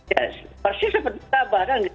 ya persis seperti apa kan